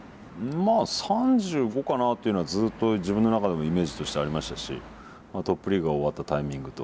まあ３５かなっていうのはずっと自分の中でもイメージとしてありましたしトップリーグが終わったタイミングと。